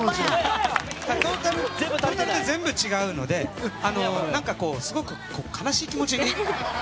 トータルで全部違うのですごく悲しい気持ちに。